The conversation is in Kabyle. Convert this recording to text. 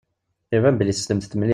Iban belli tessnemt-t mliḥ.